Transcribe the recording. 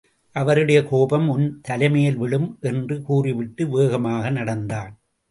அவருடைய கோபம் உன் தலைமேல்விழும் என்று கூறிவிட்டு வேகமாக நடந்தான்.